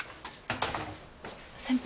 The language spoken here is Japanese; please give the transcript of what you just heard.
先輩。